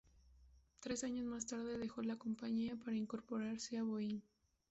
Tres años más tarde dejó la compañía para incorporarse a Boeing.